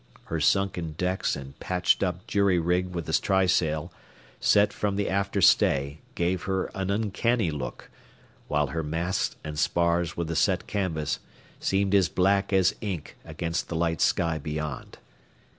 Her sunken decks and patched up jury rig with the trysail set from the after stay gave her an uncanny look, while her masts and spars with the set canvas seemed as black as ink against the light sky beyond.